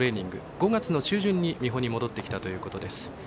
５月の中旬に美浦に戻ってきたということです。